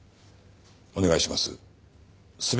お願いします。